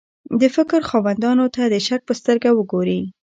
د فکر خاوندانو ته د شک په سترګه وګوري.